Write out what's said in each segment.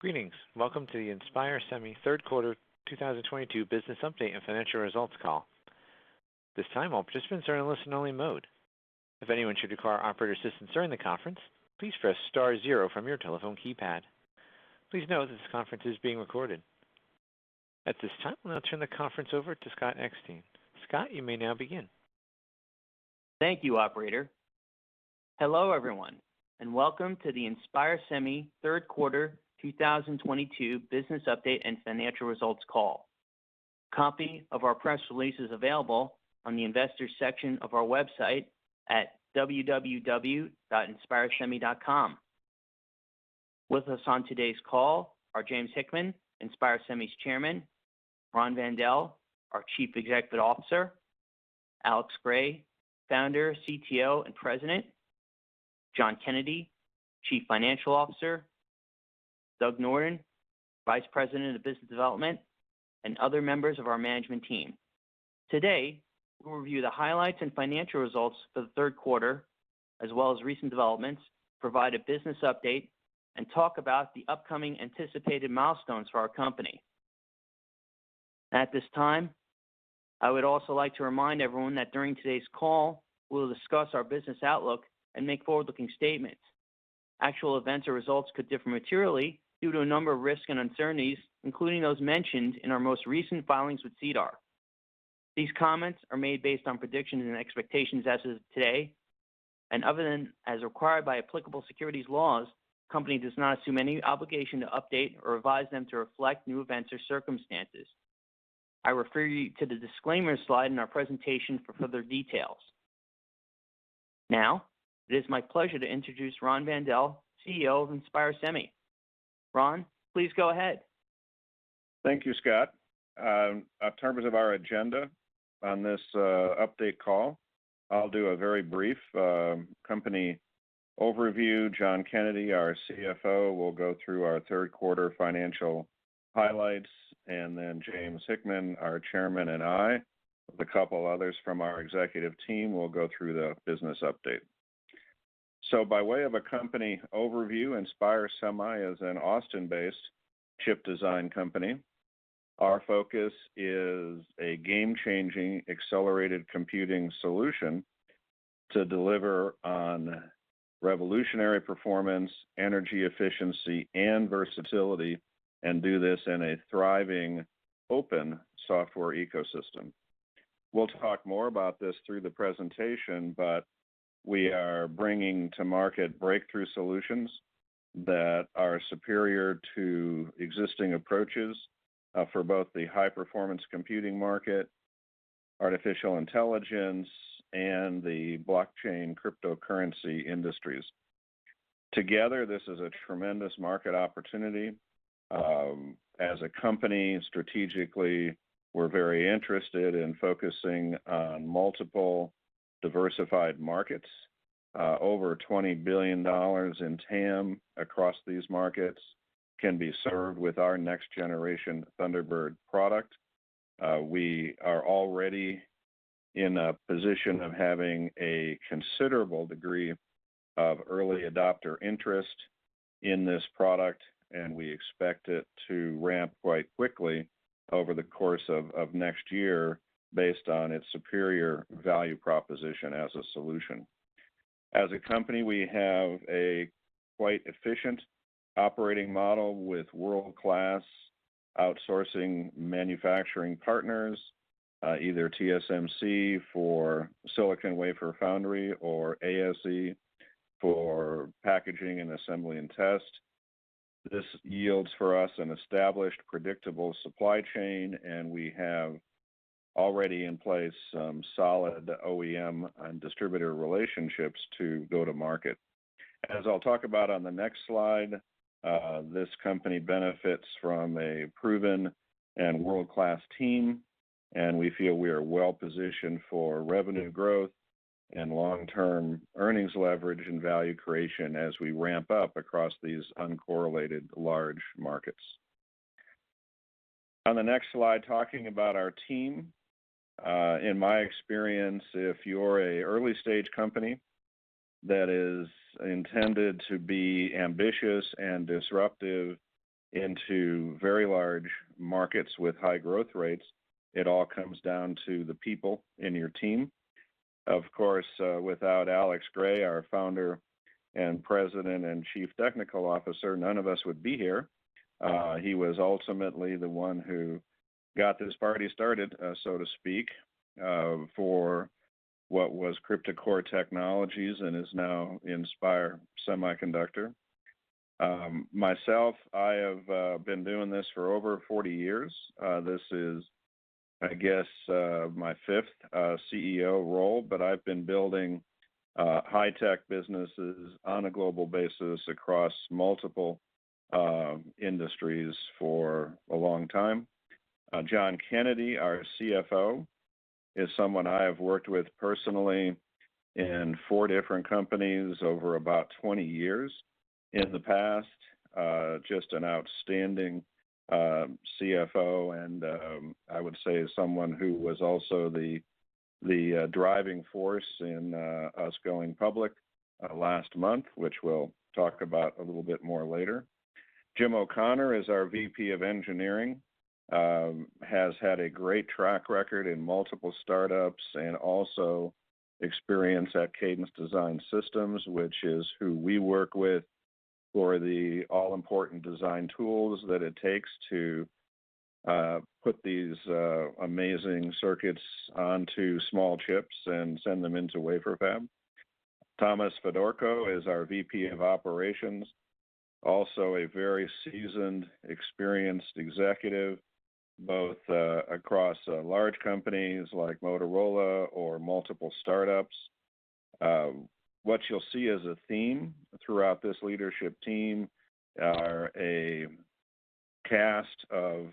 Greetings. Welcome to the InspireSemi third quarter 2022 business update and financial results call. This time, all participants are in listen-only mode. If anyone should require operator assistance during the conference, please press star zero from your telephone keypad. Please note this conference is being recorded. At this time, I'll turn the conference over to Scott Eckstein. Scott, you may now begin. Thank you, operator. Hello, everyone, welcome to the InspireSemi third quarter 2022 business update and financial results call. A copy of our press release is available on the investors section of our website at www.inspiresemi.com. With us on today's call are James Hickman, InspireSemi's Chairman, Ron Van Dell, our Chief Executive Officer, Alex Gray, Founder, Chief Technology Officer, and President, John Kennedy, Chief Financial Officer, Doug Norton, Vice President of Business Development, and other members of our Management Team. Today, we'll review the highlights and financial results for the third quarter, as well as recent developments, provide a business update, and talk about the upcoming anticipated milestones for our company. At this time, I would also like to remind everyone that during today's call, we'll discuss our business outlook and make forward-looking statements. Actual events or results could differ materially due to a number of risks and uncertainties, including those mentioned in our most recent filings with SEDAR. Other than as required by applicable securities laws, the company does not assume any obligation to update or revise them to reflect new events or circumstances. I refer you to the disclaimer slide in our presentation for further details. It is my pleasure to introduce Ron Van Dell, Chief Executive Officer of InspireSemi. Ron, please go ahead. Thank you, Scott. In terms of our agenda on this update call, I'll do a very brief company overview. John Kennedy, our Chief Financial Officer, will go through our third quarter financial highlights, and then James Hickman, our Chairman, and I, with a couple others from our Executive Team, will go through the business update. By way of a company overview, InspireSemi is an Austin-based chip design company. Our focus is a game-changing accelerated computing solution to deliver on revolutionary performance, energy efficiency, and versatility, and do this in a thriving open software ecosystem. We'll talk more about this through the presentation, but we are bringing to market breakthrough solutions that are superior to existing approaches for both the high-performance computing market, artificial intelligence, and the blockchain cryptocurrency industries. Together, this is a tremendous market opportunity. As a company, strategically, we're very interested in focusing on multiple diversified markets. Over $20 billion in TAM across these markets can be served with our next-generation Thunderbird product. We are already in a position of having a considerable degree of early adopter interest in this product, and we expect it to ramp quite quickly over the course of next year based on its superior value proposition as a solution. As a company, we have a quite efficient operating model with world-class outsourcing manufacturing partners, either TSMC for silicon wafer foundry or ASE for packaging and assembly and test. This yields for us an established, predictable supply chain, and we have already in place some solid OEM and distributor relationships to go to market. As I'll talk about on the next slide, this company benefits from a proven and world-class team, we feel we are well positioned for revenue growth and long-term earnings leverage and value creation as we ramp up across these uncorrelated large markets. On the next slide, talking about our team. In my experience, if you're a early stage company that is intended to be ambitious and disruptive into very large markets with high growth rates, it all comes down to the people in your team. Of course, without Alex Gray, our Founder and President and Chief Technical Officer, none of us would be here. He was ultimately the one who got this party started, so to speak, for what was CryptoCore Technologies and is now Inspire Semiconductor. Myself, I have been doing this for over 40 years. This is, I guess, my fifth Chief Executive Officer role, but I've been building high-tech businesses on a global basis across multiple industries for a long time. John Kennedy, our Chief Financial Officer, is someone I have worked with personally in four different companies over about 20 years in the past. Just an outstanding Chief Financial Officer and, I would say someone who was also the driving force in us going public last month, which we'll talk about a little bit more later. Jim O'Connor is our Vice President of Engineering. Has had a great track record in multiple startups and also experience at Cadence Design Systems, which is who we work with for the all-important design tools that it takes to put these amazing circuits onto small chips and send them into wafer fab. Thomas Fedorko is our Vice President of operations, also a very seasoned, experienced executive, both across large companies like Motorola or multiple startups. What you'll see as a theme throughout this leadership team are a cast of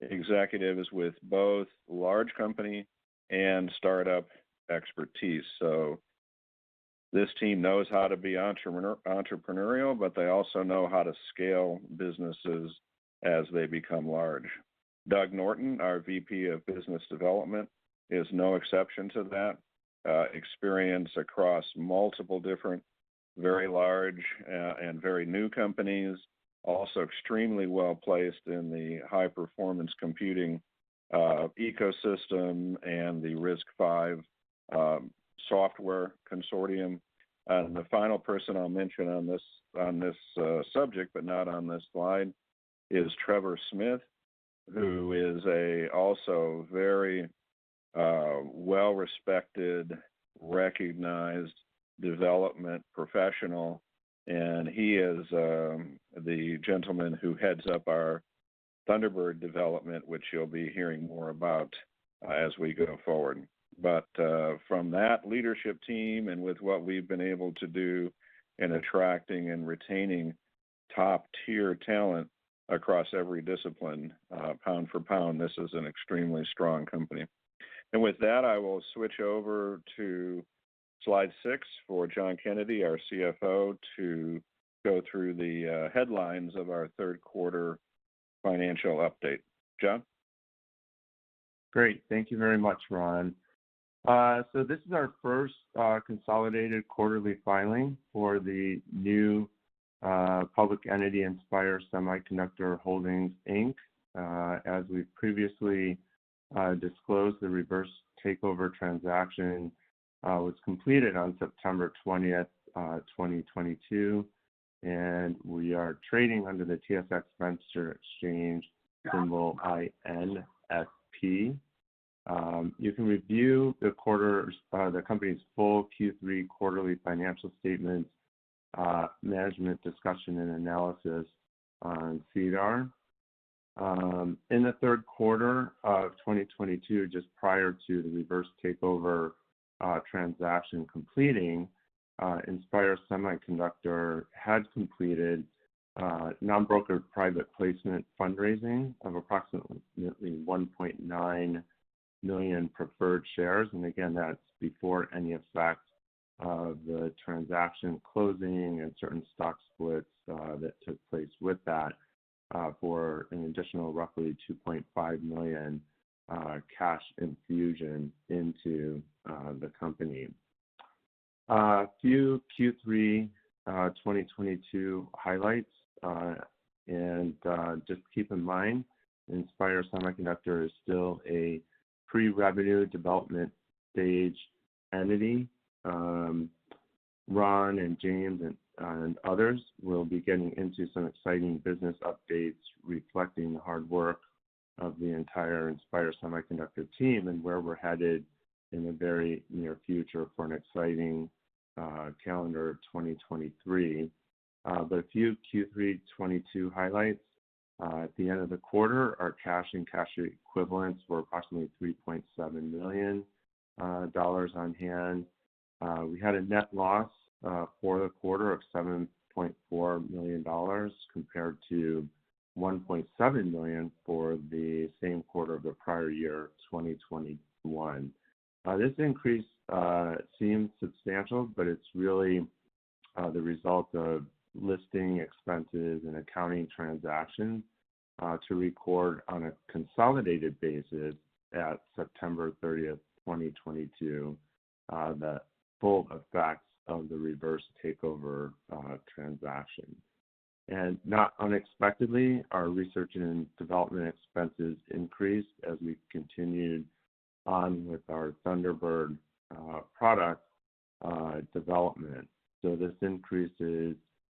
executives with both large company and startup expertise. This team knows how to be entrepreneurial, but they also know how to scale businesses as they become large. Doug Norton, our Vice President of Business Development, is no exception to that. Experience across multiple different very large and very new companies. Also extremely well-placed in the high-performance computing ecosystem and the RISC-V software consortium. The final person I'll mention on this, on this, subject, but not on this slide, is Trevor Smith, who is a also very, well-respected, recognized development professional, and he is the gentleman who heads up our Thunderbird development, which you'll be hearing more about as we go forward. From that leadership team and with what we've been able to do in attracting and retaining top-tier talent across every discipline, pound for pound, this is an extremely strong company. With that, I will switch over to slide six for John Kennedy, our Chief Financial Officer, to go through the headlines of our third quarter financial update. John. Great. Thank you very much, Ron. This is our first consolidated quarterly filing for the new public entity, Inspire Semiconductor Holdings, Inc. As we previously disclosed, the reverse takeover transaction was completed on September 20th, 2022, and we are trading under the TSX Venture Exchange symbol INSP. You can review the company's full Q3 quarterly financial statements, management discussion and analysis on SEDAR. In the third quarter of 2022, just prior to the reverse takeover transaction completing, Inspire Semiconductor had completed non-brokered private placement fundraising of approximately $1.9 million preferred shares. Again, that's before any effect of the transaction closing and certain stock splits that took place with that, for an additional roughly $2.5 million cash infusion into the company. A few Q3 2022 highlights. Just keep in mind, Inspire Semiconductor is still a pre-revenue development stage entity. Ron and James and others will be getting into some exciting business updates reflecting the hard work of the entire Inspire Semiconductor team and where we're headed in the very near future for an exciting calendar 2023. A few Q3 22 highlights. At the end of the quarter, our cash and cash equivalents were approximately $3.7 million on hand. We had a net loss for the quarter of $7.4 million compared to $1.7 million for the same quarter of the prior year, 2021. This increase seems substantial, but it's really the result of listing expenses and accounting transactions to record on a consolidated basis at September 30, 2022, the full effects of the reverse takeover transaction. Not unexpectedly, our research and development expenses increased as we continued on with our Thunderbird product development. This increase is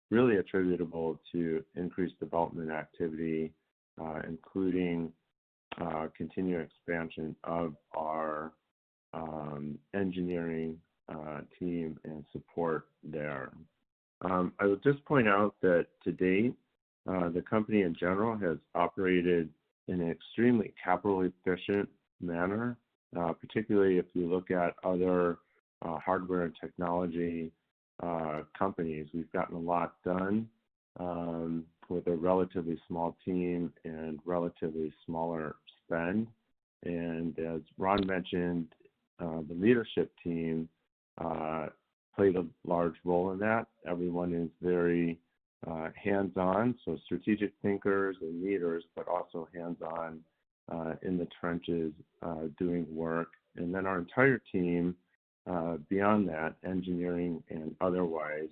really attributable to increased development activity, including continued expansion of our engineering team and support there. I would just point out that to date, the company in general has operated in an extremely capital-efficient manner, particularly if you look at other hardware and technology companies. We've gotten a lot done with a relatively small team and relatively smaller spend. As Ron mentioned, the leadership team played a large role in that. Everyone is very hands-on, so strategic thinkers and leaders, but also hands-on in the trenches doing work. Our entire team, beyond that, engineering and otherwise,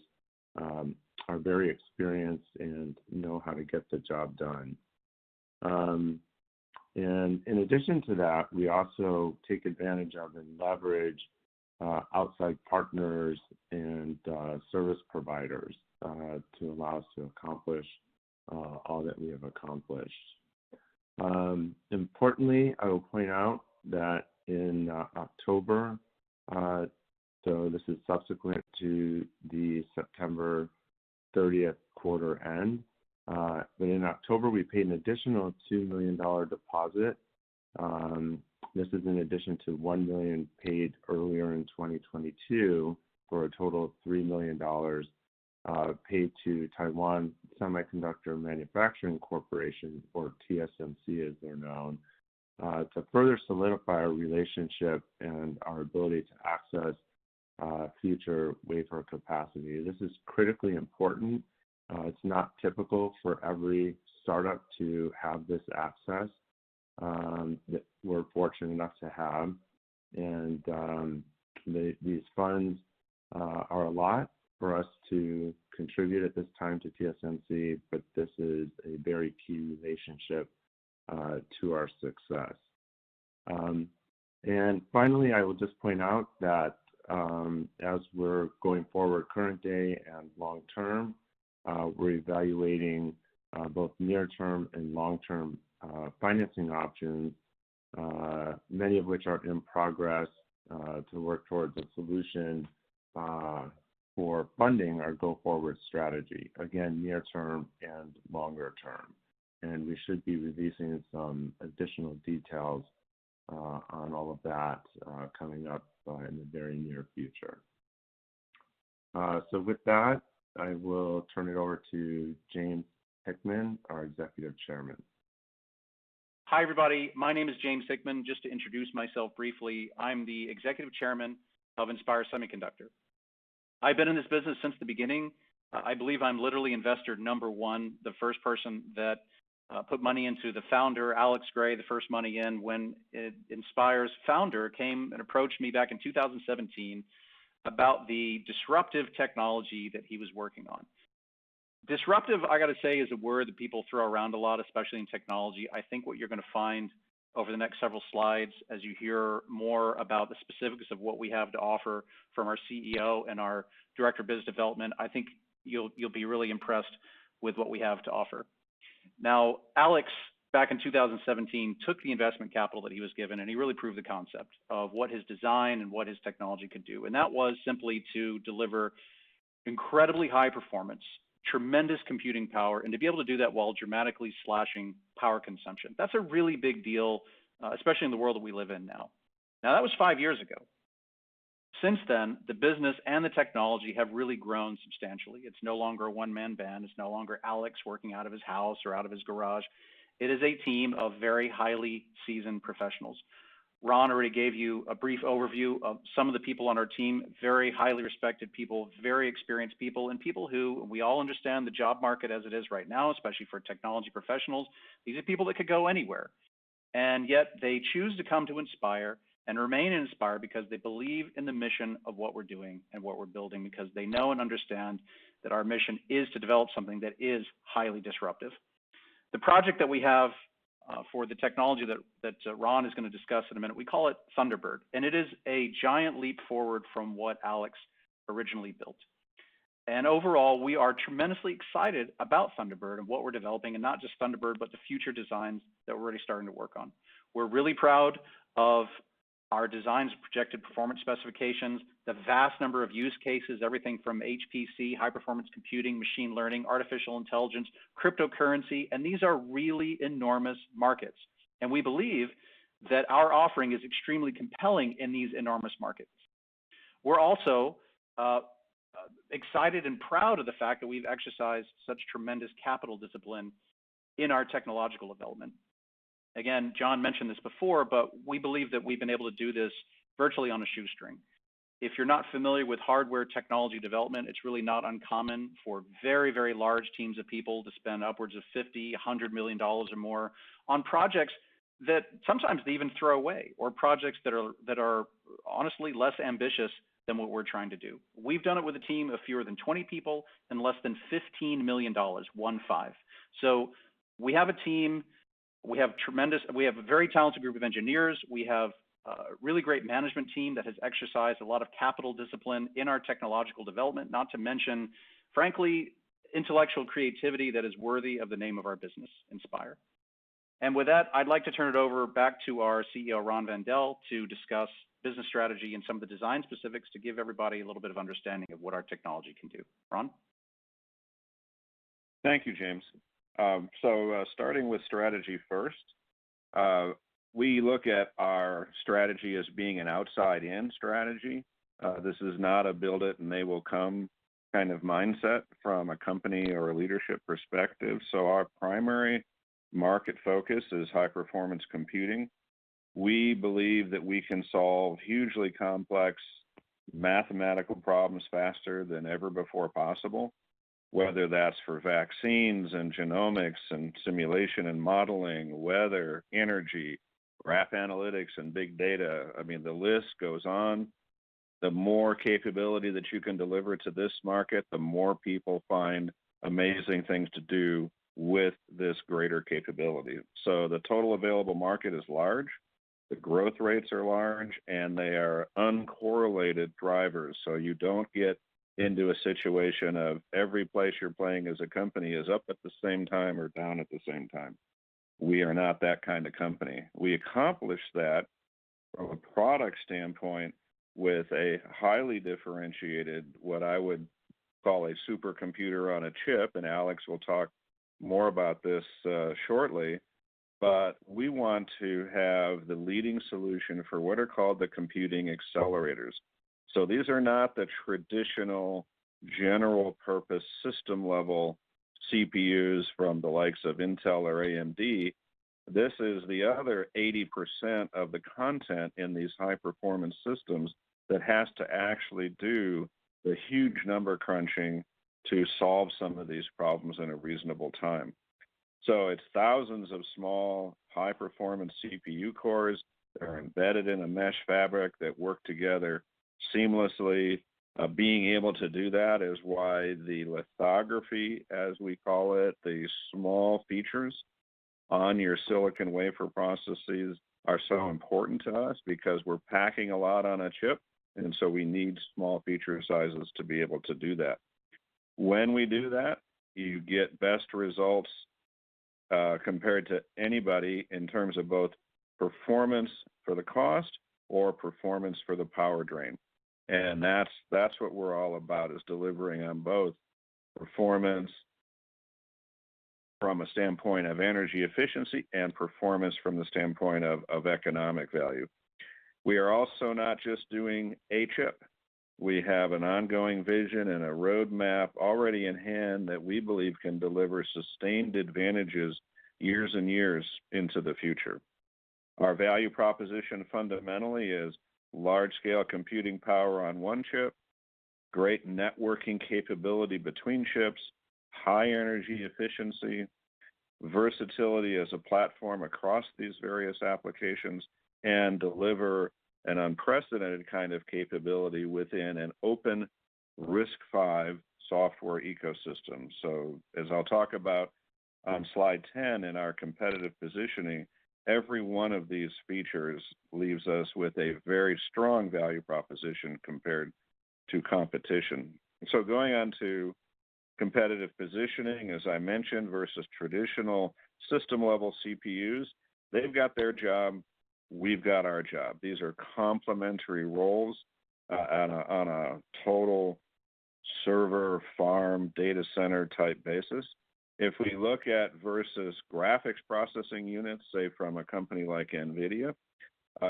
are very experienced and know how to get the job done. In addition to that, we also take advantage of and leverage outside partners and service providers to allow us to accomplish all that we have accomplished. Importantly, I will point out that in October, so this is subsequent to the September 30th quarter end, but in October, we paid an additional $2 million deposit. This is in addition to $1 million paid earlier in 2022 for a total of $3 million paid to Taiwan Semiconductor Manufacturing Company, or TSMC, as they're known, to further solidify our relationship and our ability to access future wafer capacity. This is critically important. It's not typical for every startup to have this access that we're fortunate enough to have. These funds are a lot for us to contribute at this time to TSMC, but this is a very key relationship to our success. Finally, I will just point out that, as we're going forward current day and long term, we're evaluating both near-term and long-term financing options, many of which are in progress, to work towards a solution for funding our go-forward strategy, again near term and longer term. We should be releasing some additional details on all of that coming up in the very near future. With that, I will turn it over to James Hickman, our Executive Chairman. Hi, everybody. My name is James J. Hickman. Just to introduce myself briefly, I'm the Executive Chairman of Inspire Semiconductor. I've been in this business since the beginning. I believe I'm literally investor number one, the first person that put money into the founder, Alex Gray, the first money in when Inspire's founder came and approached me back in 2017 about the disruptive technology that he was working on. Disruptive, I got to say, is a word that people throw around a lot, especially in technology. I think what you're going to find over the next several slides as you hear more about the specifics of what we have to offer from our Chief Executive Officer and our director of business development, I think you'll be really impressed with what we have to offer. Alex, back in 2017, took the investment capital that he was given, and he really proved the concept of what his design and what his technology could do. That was simply to deliver incredibly high performance, tremendous computing power, and to be able to do that while dramatically slashing power consumption. That's a really big deal, especially in the world that we live in now. That was five-years ago. Since then, the business and the technology have really grown substantially. It's no longer a one-man band. It's no longer Alex working out of his house or out of his garage. It is a team of very highly seasoned professionals. Ron already gave you a brief overview of some of the people on our team, very highly respected people, very experienced people, and people who we all understand the job market as it is right now, especially for technology professionals. These are people that could go anywhere, and yet they choose to come to Inspire and remain in Inspire because they believe in the mission of what we're doing and what we're building because they know and understand that our mission is to develop something that is highly disruptive. The project that we have for the technology that Ron is going to discuss in a minute, we call it Thunderbird, and it is a giant leap forward from what Alex originally built. Overall, we are tremendously excited about Thunderbird and what we're developing. Not just Thunderbird, but the future designs that we're already starting to work on. We're really proud of our design's projected performance specifications, the vast number of use cases, everything from HPC, high-performance computing, machine learning, artificial intelligence, cryptocurrency. These are really enormous markets. We believe that our offering is extremely compelling in these enormous markets. We're also excited and proud of the fact that we've exercised such tremendous capital discipline in our technological development. Again, John mentioned this before. We believe that we've been able to do this virtually on a shoestring. If you're not familiar with hardware technology development, it's really not uncommon for very, very large teams of people to spend upwards of $50 million, $100 million or more on projects that sometimes they even throw away or projects that are honestly less ambitious than what we're trying to do. We've done it with a team of fewer than 20 people and less than $15 million, one five. We have a team. We have a very talented group of engineers. We have a really great management team that has exercised a lot of capital discipline in our technological development, not to mention, frankly, intellectual creativity that is worthy of the name of our business, Inspire. With that, I'd like to turn it over back to our Chief Executive Officer, Ron Van Dell, to discuss business strategy and some of the design specifics to give everybody a little bit of understanding of what our technology can do. Ron? Thank you, James. Starting with strategy first, we look at our strategy as being an outside-in strategy. This is not a build it and they will come kind of mindset from a company or a leadership perspective. Our primary Market focus is high-performance computing. We believe that we can solve hugely complex mathematical problems faster than ever before possible, whether that's for vaccines and genomics and simulation and modeling, weather, energy, graph analytics, and big data. I mean, the list goes on. The more capability that you can deliver to this market, the more people find amazing things to do with this greater capability. The total available market is large, the growth rates are large, and they are uncorrelated drivers. You don't get into a situation of every place you're playing as a company is up at the same time or down at the same time. We are not that kind of company. We accomplish that from a product standpoint with a highly differentiated, what I would call a supercomputer on a chip, and Alex will talk more about this shortly. We want to have the leading solution for what are called the computing accelerators. These are not the traditional general purpose system level CPUs from the likes of Intel or AMD. This is the other 80% of the content in these high-performance systems that has to actually do the huge number crunching to solve some of these problems in a reasonable time. It's thousands of small, high-performance CPU cores that are embedded in a mesh fabric that work together seamlessly. Being able to do that is why the lithography, as we call it, the small features on your silicon wafer processes are so important to us because we're packing a lot on a chip, we need small feature sizes to be able to do that. When we do that, you get best results, compared to anybody in terms of both performance for the cost or performance for the power drain. That's what we're all about, is delivering on both performance from a standpoint of energy efficiency and performance from the standpoint of economic value. We are also not just doing a chip. We have an ongoing vision and a roadmap already in hand that we believe can deliver sustained advantages years and years into the future. Our value proposition fundamentally is large-scale computing power on one chip, great networking capability between chips, high energy efficiency, versatility as a platform across these various applications, and deliver an unprecedented kind of capability within an open RISC-V software ecosystem. As I'll talk about on slide 10 in our competitive positioning, every one of these features leaves us with a very strong value proposition compared to competition. Going on to competitive positioning, as I mentioned, versus traditional system-level CPUs, they've got their job, we've got our job. These are complementary roles, on a total server farm data center type basis. If we look at versus graphics processing units, say from a company like NVIDIA,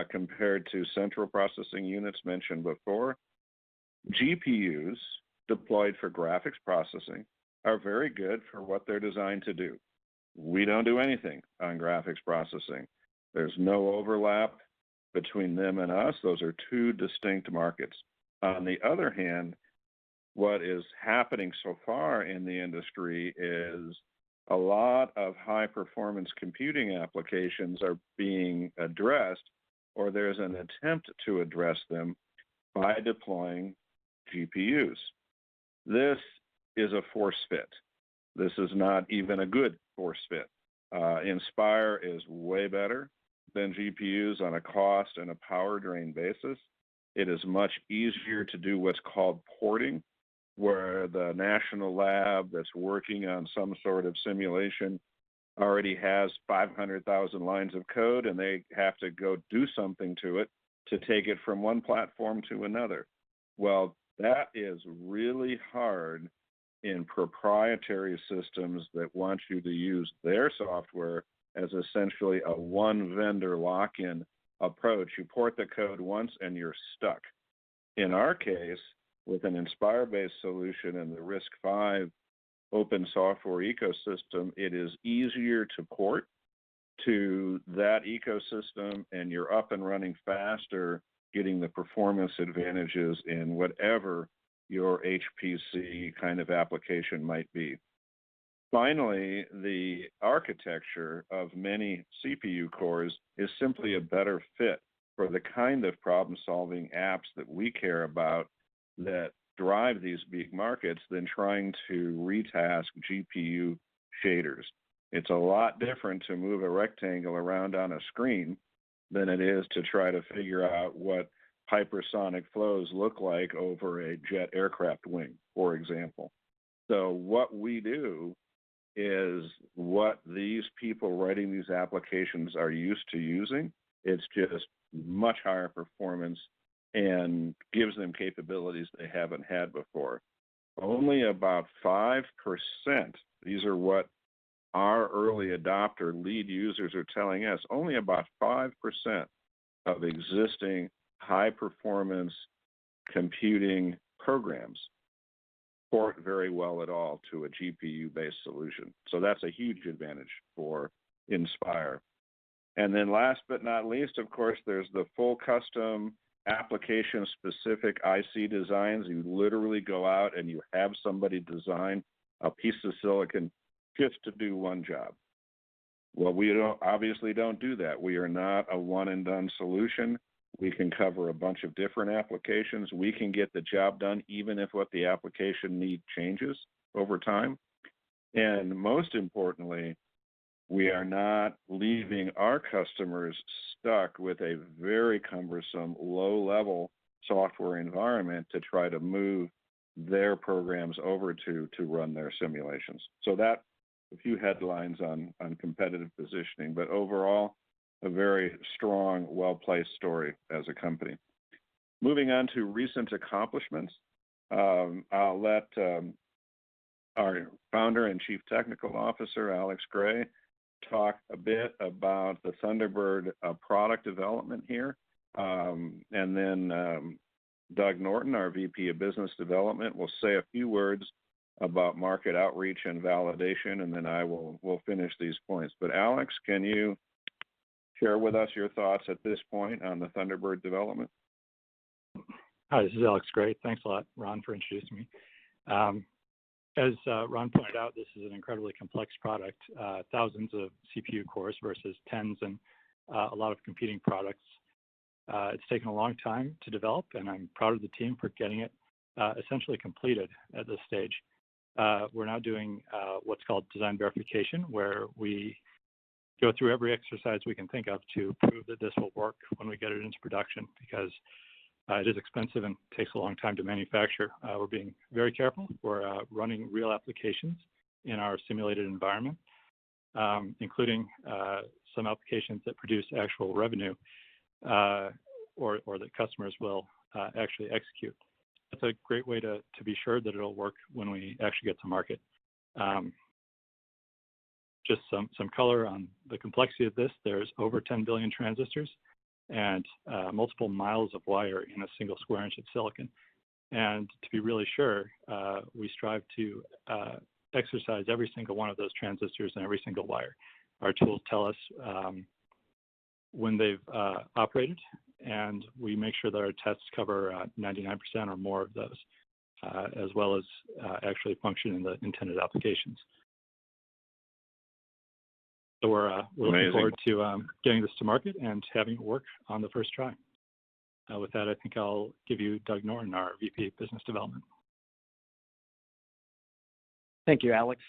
compared to central processing units mentioned before, GPUs deployed for graphics processing are very good for what they're designed to do. We don't do anything on graphics processing. There's no overlap between them and us. Those are two distinct markets. What is happening so far in the industry is a lot of high-performance computing applications are being addressed, or there's an attempt to address them by deploying GPUs. This is a forced fit. This is not even a good forced fit. Inspire is way better than GPUs on a cost and a power drain basis. It is much easier to do what's called porting, where the national lab that's working on some sort of simulation already has 500,000 lines of code, and they have to go do something to it to take it from one platform to another. That is really hard in proprietary systems that want you to use their software as essentially a one vendor lock-in approach. You port the code once and you're stuck. In our case, with an Inspire-based solution and the RISC-V open software ecosystem, it is easier to port to that ecosystem and you're up and running faster, getting the performance advantages in whatever your HPC kind of application might be. Finally, the architecture of many CPU cores is simply a better fit for the kind of problem-solving apps that we care about that drive these big markets than trying to retask GPU shaders. It's a lot different to move a rectangle around on a screen than it is to try to figure out what hypersonic flows look like over a jet aircraft wing, for example. What we do is what these people writing these applications are used to using. It's just much higher performance and gives them capabilities they haven't had before. Only about 5%, these are what our early adopter lead users are telling us, only about 5% of existing high-performance computing programs port very well at all to a GPU-based solution. That's a huge advantage for Inspire. Last but not least, of course, there's the full custom application-specific IC designs. You literally go out and you have somebody design a piece of silicon just to do one job. Well, we obviously don't do that. We are not a one-and-done solution. We can cover a bunch of different applications. We can get the job done even if what the application need changes over time. Most importantly, we are not leaving our customers stuck with a very cumbersome, low-level software environment to try to move their programs over to run their simulations. That, a few headlines on competitive positioning, but overall, a very strong, well-placed story as a company. Moving on to recent accomplishments, I'll let our Founder and Chief Technical Officer, Alex Gray, talk a bit about the Thunderbird product development here. And then Doug Norton, our Vice President of Business Development, will say a few words about market outreach and validation, and then I will finish these points. Alex, can you share with us your thoughts at this point on the Thunderbird development? Hi, this is Alex Gray. Thanks a lot, Ron, for introducing me. As Ron pointed out, this is an incredibly complex product, thousands of CPU cores versus tens in a lot of competing products. It's taken a long time to develop, and I'm proud of the team for getting it essentially completed at this stage. We're now doing what's called design verification, where we go through every exercise we can think of to prove that this will work when we get it into production because it is expensive and takes a long time to manufacture. We're being very careful. We're running real applications in our simulated environment, including some applications that produce actual revenue, or that customers will actually execute. It's a great way to be sure that it'll work when we actually get to market. Just some color on the complexity of this. There's over 10 billion transistors and multiple miles of wire in a single square inch of silicon. To be really sure, we strive to exercise every single one of those transistors and every single wire. Our tools tell us, when they've operated, and we make sure that our tests cover 99% or more of those, as well as actually functioning in the intended applications. We're looking forward. Amazing To, getting this to market and having it work on the first try. With that, I think I'll give you Doug Norton, our Vice President of Business Development. Thank you, Alex.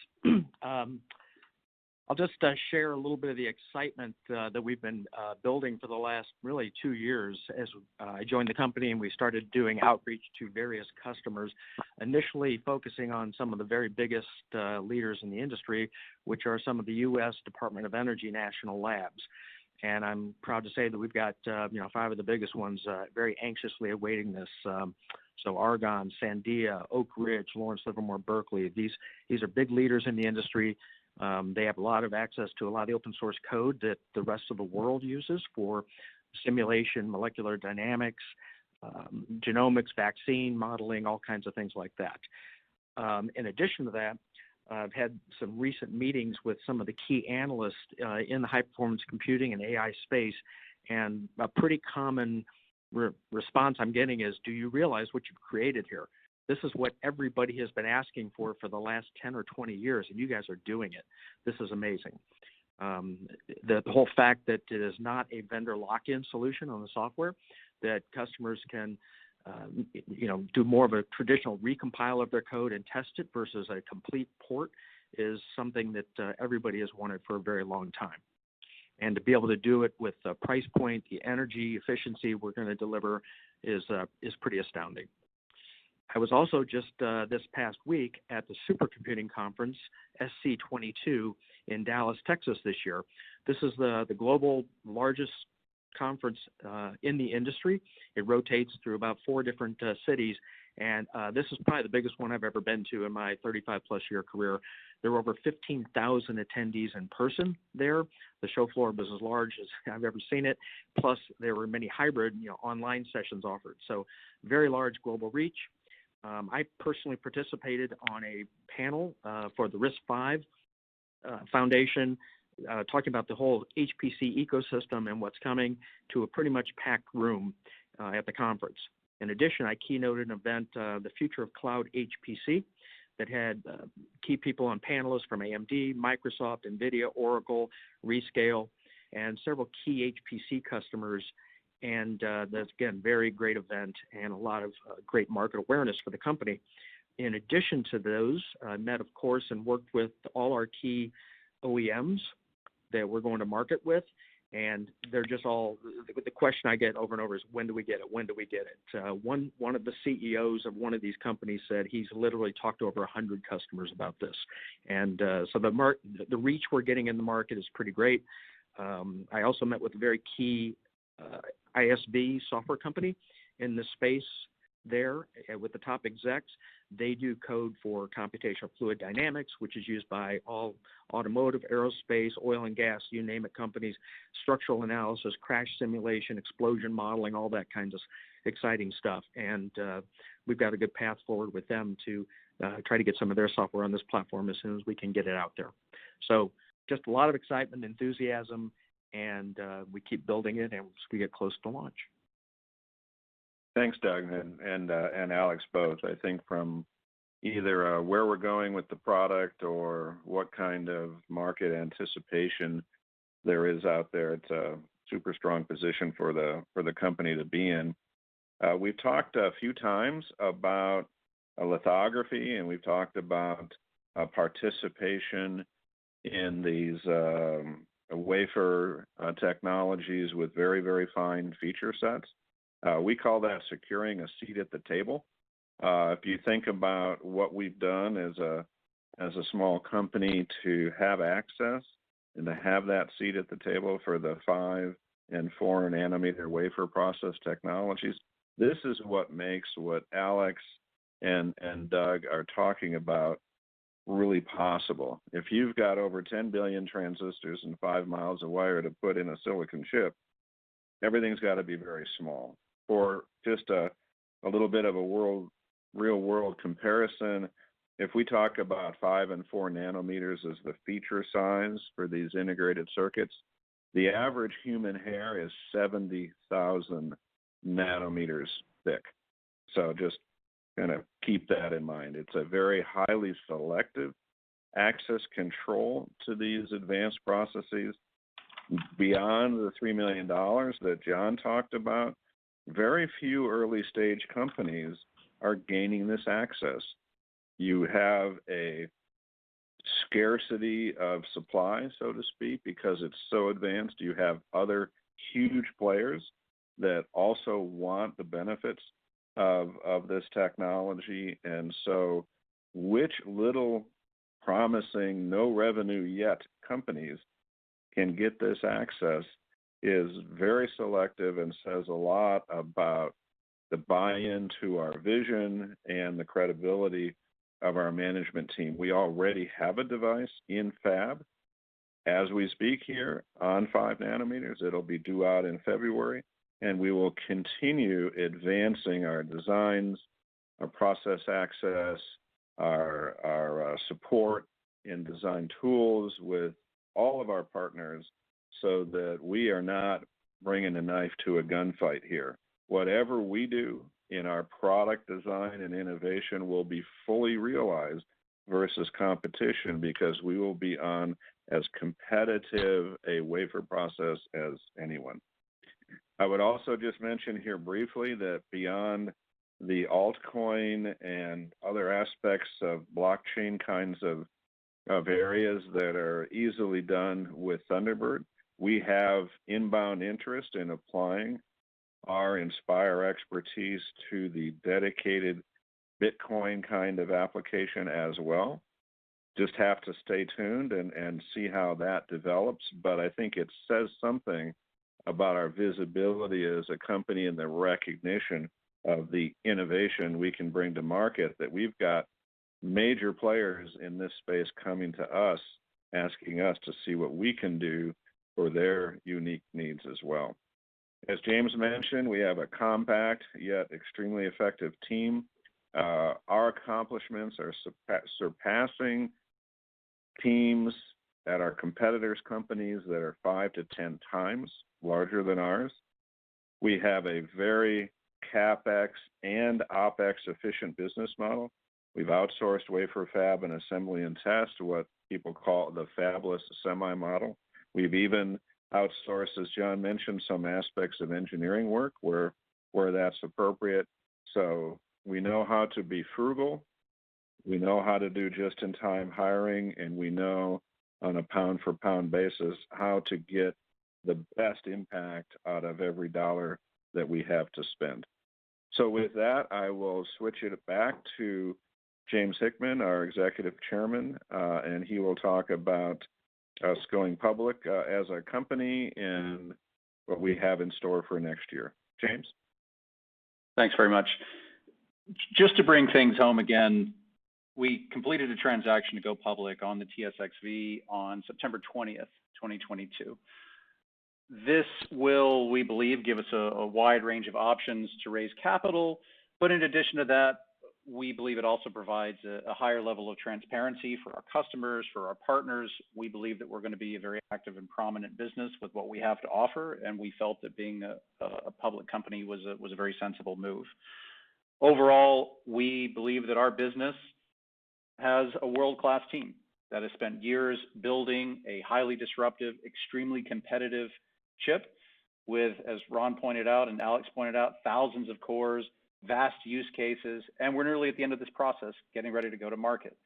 I'll just share a little bit of the excitement that we've been building for the last really two-years as I joined the company and we started doing outreach to various customers, initially focusing on some of the very biggest leaders in the industry, which are some of the US Department of Energy National Laboratories. I'm proud to say that we've got, you know, five of the biggest ones very anxiously awaiting this. Argonne, Sandia, Oak Ridge, Lawrence Livermore, Berkeley, these are big leaders in the industry. They have a lot of access to a lot of the open source code that the rest of the world uses for simulation, molecular dynamics, genomics, vaccine modeling, all kinds of things like that. In addition to that, I've had some recent meetings with some of the key analysts in the high-performance computing and AI space. A pretty common response I'm getting is, "Do you realize what you've created here? This is what everybody has been asking for for the last 10 or 20 years. You guys are doing it. This is amazing." The whole fact that it is not a vendor lock-in solution on the software, that customers can, you know, do more of a traditional recompile of their code and test it versus a complete port is something that everybody has wanted for a very long time. To be able to do it with the price point, the energy efficiency we're gonna deliver is pretty astounding. I was also just this past week at the Supercomputing Conference, SC '22, in Dallas, Texas this year. This is the global largest conference in the industry. It rotates through about four different cities. This is probably the biggest one I've ever been to in my 35+ years career. There were over 15,000 attendees in person there. The show floor was as large as I've ever seen it. Plus, there were many hybrid, you know, online sessions offered. Very large global reach. I personally participated on a panel for the RISC-V Foundation, talking about the whole HPC ecosystem and what's coming to a pretty much packed room at the conference. In addition, I keynoted an event, the Future of Cloud HPC, that had key people and panelists from AMD, Microsoft, NVIDIA, Oracle, Rescale, and several key HPC customers. That's again, very great event and a lot of great market awareness for the company. In addition to those, I met, of course, and worked with all our key OEMs that we're going to market with, and they're just all. The question I get over and over is, "When do we get it? When do we get it?" One of the CEOs of one of these companies said he's literally talked to over 100 customers about this. The reach we're getting in the market is pretty great. I also met with a very key, ISV software company in the space there with the top execs. They do code for computational fluid dynamics, which is used by all automotive, aerospace, oil and gas, you name it, companies. Structural analysis, crash simulation, explosion modeling, all that kinds of exciting stuff. We've got a good path forward with them to try to get some of their software on this platform as soon as we can get it out there. Just a lot of excitement, enthusiasm, and we keep building it, and we get close to launch. Thanks, Doug and Alex both. I think from either where we're going with the product or what kind of market anticipation there is out there, it's a super strong position for the company to be in. We've talked a few times about a lithography, and we've talked about participation in these wafer technologies with very, very fine feature sets. We call that securing a seat at the table. If you think about what we've done as a small company to have access and to have that seat at the table for the 5 and 4 nanometer wafer process technologies, this is what makes what Alex and Doug are talking about really possible. If you've got over 10 billion transistors and 5 mi of wire to put in a silicon chip, everything's got to be very small. For just a little bit of a real-world comparison, if we talk about 5 and 4 nanometers as the feature size for these integrated circuits, the average human hair is 70,000 nanometers thick. Just kind of keep that in mind. It's a very highly selective access control to these advanced processes. Beyond the $3 million that John talked about, very few early-stage companies are gaining this access. You have a scarcity of supply, so to speak, because it's so advanced. You have other huge players that also want the benefits of this technology. Which little promising, no revenue yet companies can get this access is very selective and says a lot about the buy-in to our vision and the credibility of our management team. We already have a device in fab as we speak here on 5 nanometers. It'll be due out in February, and we will continue advancing our designs, our process access, our support and design tools with all of our partners so that we are not bringing a knife to a gunfight here. Whatever we do in our product design and innovation will be fully realized versus competition because we will be on as competitive a wafer process as anyone. I would also just mention here briefly that beyond the Altcoin and other aspects of blockchain kinds of areas that are easily done with Thunderbird, we have inbound interest in applying our Inspire expertise to the dedicated Bitcoin kind of application as well. Just have to stay tuned and see how that develops. I think it says something about our visibility as a company and the recognition of the innovation we can bring to market, that we've got major players in this space coming to us, asking us to see what we can do for their unique needs as well. As James mentioned, we have a compact yet extremely effective team. Our accomplishments are surpassing teams at our competitors' companies that are 5-10 times larger than ours. We have a very CapEx and OpEx-efficient business model. We've outsourced wafer fab and assembly and test to what people call the fabless semi model. We've even outsourced, as John mentioned, some aspects of engineering work where that's appropriate. We know how to be frugal, we know how to do just-in-time hiring, and we know on a pound-for-pound basis how to get the best impact out of every dollar that we have to spend. With that, I will switch it back to James Hickman, our Executive Chairman, and he will talk about us going public as a company and what we have in store for next year. James. Thanks very much. Just to bring things home again, we completed a transaction to go public on the TSXV on September 20th, 2022. This will, we believe, give us a wide range of options to raise capital. In addition to that, we believe it also provides a higher level of transparency for our customers, for our partners. We believe that we're gonna be a very active and prominent business with what we have to offer, and we felt that being a public company was a very sensible move. Overall, we believe that our business has a world-class team that has spent years building a highly disruptive, extremely competitive chip with, as Ron pointed out and Alex pointed out, thousands of cores, vast use cases, and we're nearly at the end of this process, getting ready to go to market.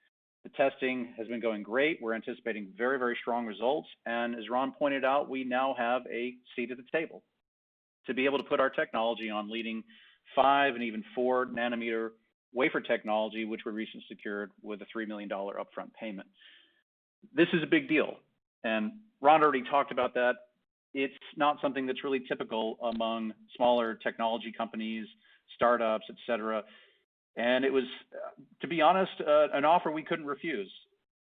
The testing has been going great. We're anticipating very, very strong results. As Ron pointed out, we now have a seat at the table to be able to put our technology on leading 5 nanometer and even 4 nanometer wafer technology, which we recently secured with a $3 million upfront payment. This is a big deal, and Ron already talked about that. It's not something that's really typical among smaller technology companies, startups, et cetera. It was, to be honest, an offer we couldn't refuse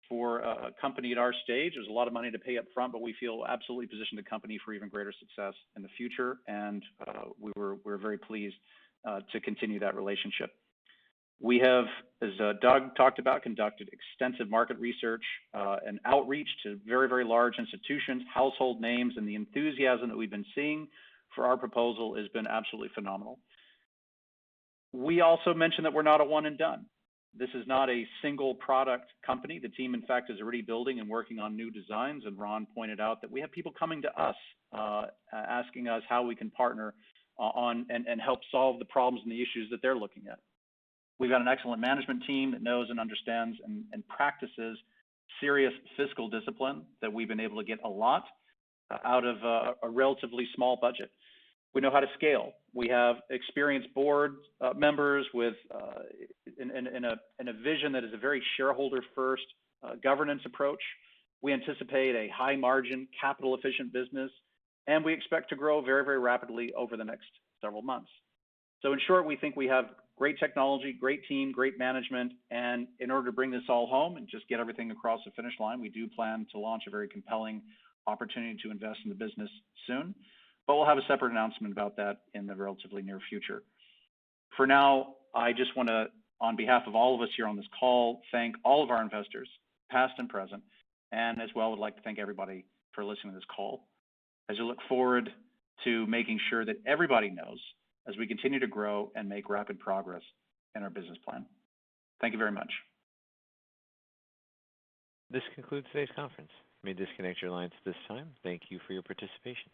for a company at our stage. It was a lot of money to pay up front, but we feel absolutely positioned the company for even greater success in the future, and we're very pleased to continue that relationship. We have, as Doug talked about, conducted extensive market research and outreach to very, very large institutions, household names, and the enthusiasm that we've been seeing for our proposal has been absolutely phenomenal. We also mentioned that we're not a one and done. This is not a single product company. The team, in fact, is already building and working on new designs. Ron pointed out that we have people coming to us, asking us how we can partner on and help solve the problems and the issues that they're looking at. We've got an excellent management team that knows and understands and practices serious fiscal discipline that we've been able to get a lot out of a relatively small budget. We know how to scale. We have experienced board members with. In a vision that is a very shareholder-first, governance approach. We anticipate a high margin, capital efficient business, and we expect to grow very rapidly over the next several months. In short, we think we have great technology, great team, great management, and in order to bring this all home and just get everything across the finish line, we do plan to launch a very compelling opportunity to invest in the business soon. We'll have a separate announcement about that in the relatively near future. For now, I just wanna, on behalf of all of us here on this call, thank all of our investors, past and present, and as well, I would like to thank everybody for listening to this call as I look forward to making sure that everybody knows as we continue to grow and make rapid progress in our business plan. Thank you very much. This concludes today's conference. You may disconnect your lines this time. Thank you for your participation.